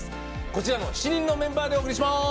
こちらの７人のメンバーでお送りします。